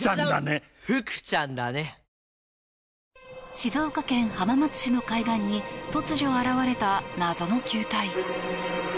静岡県浜松市の海岸に突如現れた謎の球体。